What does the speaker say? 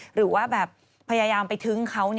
หรือว่าแบบพยายามไปทึ้งเขา